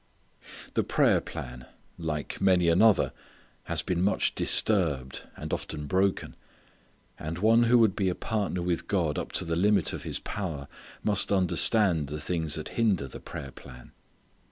The prayer plan like many another has been much disturbed, and often broken. And one who would be a partner with God up to the limit of his power must understand the things that hinder the prayer plan.